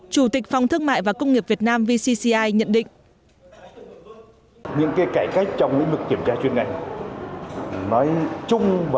nói chung và đặc biệt là những cái kiểm tra chuyên ngành